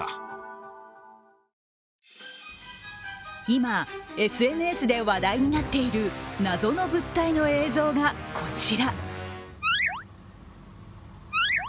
今、ＳＮＳで話題になっている謎の物体の映像がこちら。